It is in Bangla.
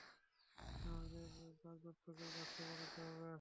আমার বাগদত্তকেও বাষ্প বানাতে হবে।